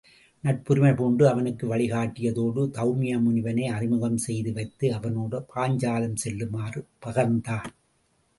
நட்புரிமை பூண்டு அவனுக்கு வழிகாட்டியதோடு தௌமிய முனிவனை அறிமுகம் செய்து வைத்து அவனோடு பாஞ்சாலம் செல்லுமாறு பகர்ந்தான்.